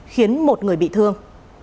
khiến một người bị thương